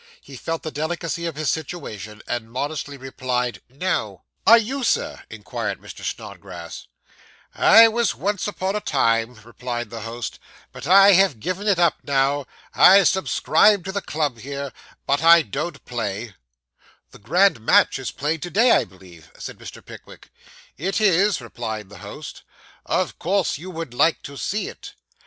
He felt the delicacy of his situation, and modestly replied, 'No.' 'Are you, sir?' inquired Mr. Snodgrass. 'I was once upon a time,' replied the host; 'but I have given it up now. I subscribe to the club here, but I don't play.' 'The grand match is played to day, I believe,' said Mr. Pickwick. 'It is,' replied the host. 'Of course you would like to see it.